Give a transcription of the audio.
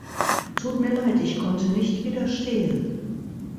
Tut mir leid, ich konnte nicht widerstehen.